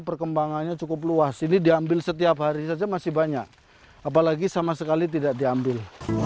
perkembangannya cukup luas ini diambil setiap hari saja masih banyak apalagi sama sekali tidak diambil